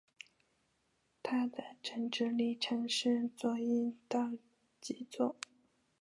它的政治立场是左翼到极左。